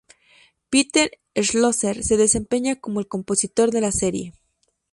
Pieter Schlosser se desempeña como el compositor de la serie.